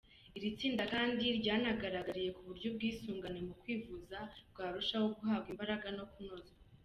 Iri tsinda kandi ryanaganiriye ku buryo ubwisungane mu kwivuza bwarushaho guhabwa imbaraga no kunozwa.